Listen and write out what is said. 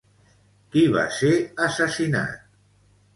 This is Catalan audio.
Qui va ser assassinat?